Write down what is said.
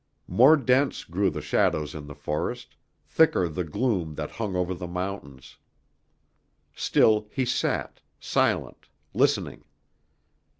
More dense grew the shadows in the forest, thicker the gloom that hung over the mountains. Still he sat, silent, listening.